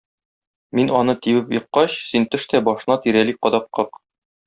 Мин аны тибеп еккач, син төш тә башына тирәли кадак как.